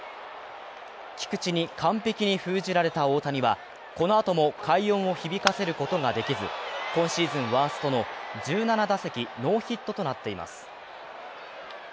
菊池に完璧に封じられた大谷はこのあとも快音を響かせることができず、今シーズンワーストの１７打席ノーヒットとなっています。